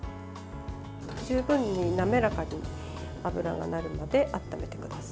十分に滑らかに油がなるまで温めてください。